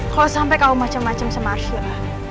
kalo sampe kamu macem macem sama arsyilah